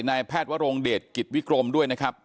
นายแพทย์วรงเดชกิจวิกรมด้วยนะครับ